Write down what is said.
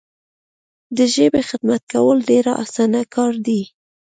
د ژبي خدمت کول ډیر اسانه کار دی.